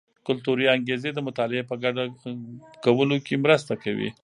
کلتوري انګیزې د مطالعې په ګډه کولو کې مرسته کوي.